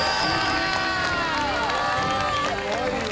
すごいわ。